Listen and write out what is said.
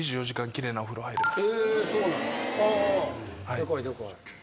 でかいでかい。